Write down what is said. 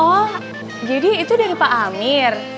oh jadi itu dari pak amir